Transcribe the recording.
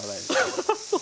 アハハハ。